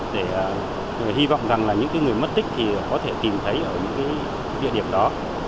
để hy vọng rằng là những người mất tích thì có thể tìm thấy ở những địa điểm đó